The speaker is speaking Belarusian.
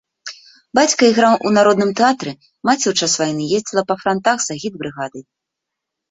Бацька іграў у народным тэатры, маці ў час вайны ездзіла па франтах з агітбрыгадай.